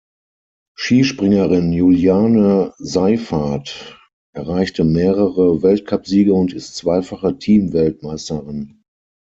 Skispringerin Juliane Seyfarth erreichte mehrere Weltcupsiege und ist zweifache Team-Weltmeisterin.